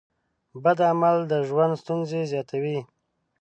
بد عمل د ژوند ستونزې زیاتوي.